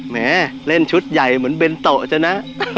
แหมเล่นชุดใหญ่เหมือนเบนโตจะนะ